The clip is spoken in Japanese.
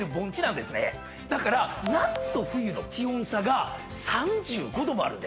だから夏と冬の気温差が３５℃もあるんです。